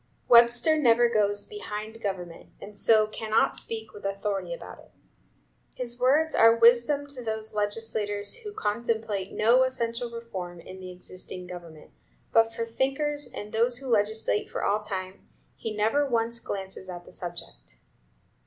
Webster never goes behind government, and so cannot speak with authority about it. His words are wisdom to those legislators who contemplate no essential reform in the existing government; but for thinkers, and those who legislate for all time, he never once glances at the subject.